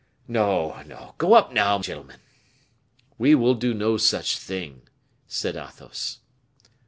"No, no; go up now, gentlemen." "We will do no such thing," said Athos.